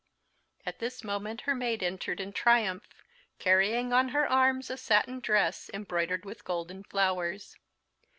At this moment her maid entered in triumph, carrying on her arms a satin dress, embroidered with gold and flowers.